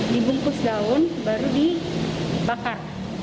dibungkus daun baru dibakar